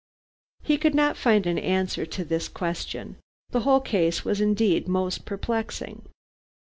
He could not find an answer to this question. The whole case was indeed most perplexing.